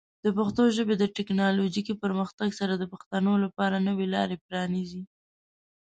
د پښتو ژبې د ټیکنالوجیکي پرمختګ سره، د پښتنو لپاره نوې لارې پرانیزي.